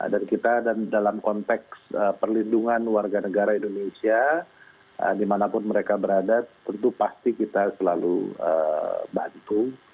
dan kita dalam konteks perlindungan warga negara indonesia dimanapun mereka berada tentu pasti kita selalu bantu